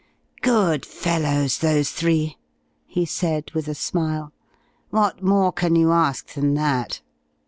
"Good fellows those three," he said with a smile. "What more can you ask than that?